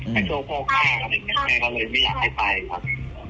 ไปโชว์โภคหน้าครับแม่ก็เลยไม่อยากให้ไปครับ